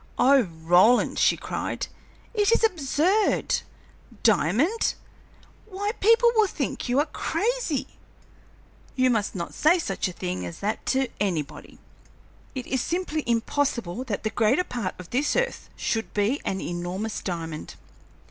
"Oh, Roland," she cried, "it is absurd! Diamond! Why, people will think you are crazy. You must not say such a thing as that to anybody. It is simply impossible that the greater part of this earth should be an enormous diamond."